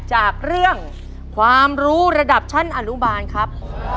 จากเรื่องความรู้ระดับชั้นอนุบาลครับ